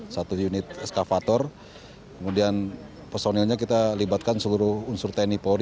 satu unit eskavator kemudian personilnya kita libatkan seluruh unsur tni polri